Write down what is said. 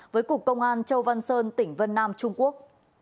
với cục công an châu văn sơn tỉnh vân nam trung quốc